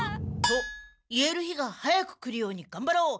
「と言える日が早く来るようにがんばろう。